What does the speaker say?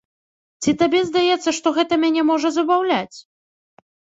Ці табе здаецца, што гэта мяне можа забаўляць?